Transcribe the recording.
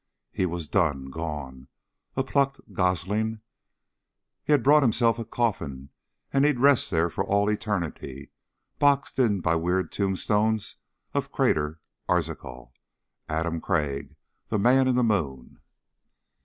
He was done, gone, a plucked gosling. He had bought himself a coffin and he'd rest there for all eternity boxed in by the weird tombstones of Crater Arzachel. Adam Crag the Man in the Moon.